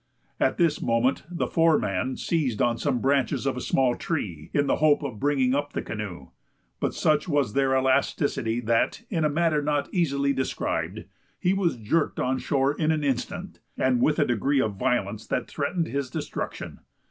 At this moment the foreman seized on some branches of a small tree, in the hope of bringing up the canoe, but such was their elasticity that, in a manner not easily described, he was jerked on shore in an instant, and with a degree of violence that threatened his destruction.